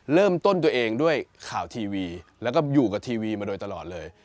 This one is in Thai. เริ่มต้นตัวเองด้วยข่าวทีวีแล้วก็อยู่กับทีวีมาโดยตลอดเลย